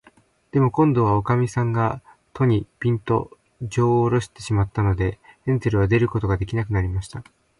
でも、こんどは、おかみさんが戸に、ぴんと、じょうをおろしてしまったので、ヘンゼルは出ることができなくなりました。